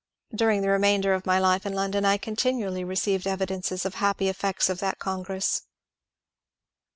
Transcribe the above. During the remainder of my life in London I continually received evidences of the happy effects of that congress.